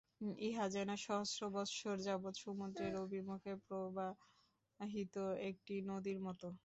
ইহা যেন সহস্র বৎসর যাবৎ সমুদ্রের অভিমুখে প্রবাহিত একটি নদীর মত।